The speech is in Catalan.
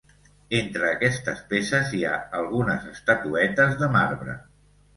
Entre aquestes peces hi ha algunes estatuetes de marbre.